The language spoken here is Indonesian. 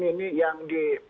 ini yang di